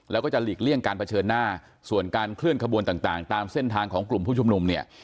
แล้วก็จะหลีกเลี่ยงการเผชิญหน้าส่วนการเคลื่อนขบวนต่างตามเส้นทางของกลุ่มผู้ชุมนุมเนี่ย